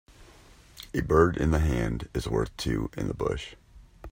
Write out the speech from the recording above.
A bird in the hand is worth two in the bush.